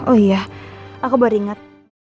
oh iya aku baru ingat